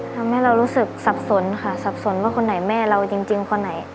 ทำให้เรารู้สึกสับสนค่ะสับสนว่าคนไหนแม่เราจริงคนไหน